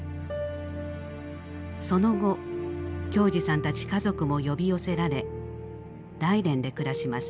その後京二さんたち家族も呼び寄せられ大連で暮らします。